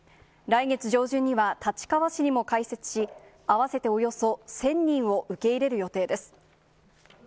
来月上旬には立川市にも開設し、合わせておよそ１０００人を受け入れる予定です。